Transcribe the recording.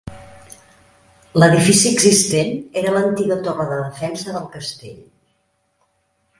L'edifici existent era l'antiga torre de defensa del castell.